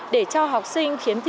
để cho học sinh khiếm thị